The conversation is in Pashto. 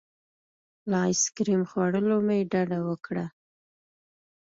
له ایس کریم خوړلو مې ډډه وکړه.